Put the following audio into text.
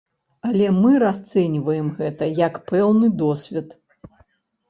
Але мы расцэньваем гэта як пэўны досвед.